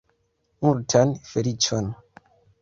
Multan feliĉon!